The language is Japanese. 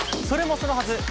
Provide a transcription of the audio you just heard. それもそのはず。